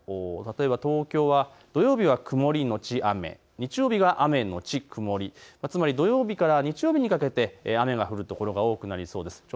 例えば東京は土曜日は曇り後雨、日曜日は雨後曇り、つまり土曜日から日曜日にかけて雨が降るところが多くなりそうです。